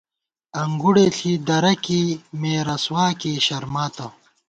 انگُڑے ݪی درہ کېئ، مےرسواکېئ شرماتہ